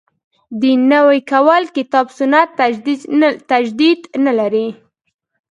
دین نوی کول کتاب سنت تجدید نه لري.